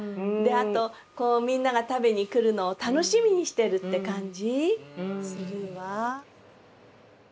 あとみんなが食べに来るのを楽しみにしてるって感じするわ。